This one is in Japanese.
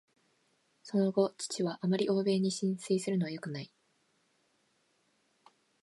その後、父は「あまり欧米に心酔するのはよくない」